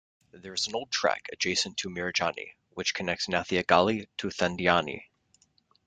There is an old track adjacent to Mirajani which connects Nathia Gali to Thandiani.